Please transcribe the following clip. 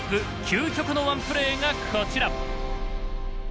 究極のワンプレーがこちら！